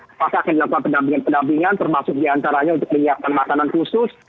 apakah akan dilakukan pendampingan pendampingan termasuk diantaranya untuk menyiapkan makanan khusus